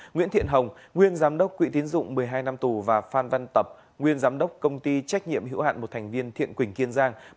nguyễn thiện hồng nguyên giám đốc quỹ tiến dụng một mươi hai năm tù và phan văn tập nguyên giám đốc công ty trách nhiệm hữu hạn một thành viên thiện quỳnh kiên giang